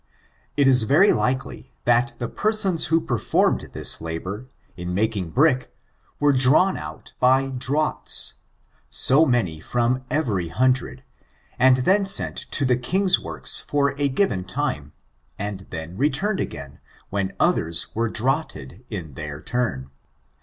It is very likely, that the persons who performed this labor, in making brick, were drawn out by draughts^ so many from every hundred, and then sent to the king's works for a given time, and then returned again, when others were draughted in their turn.